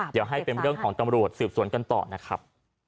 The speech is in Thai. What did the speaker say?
เดี๋ยวให้เป็นเรื่องของตำรวจสืบสวนกันต่อนะครับ